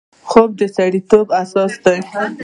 خوب د سړیتوب اساس دی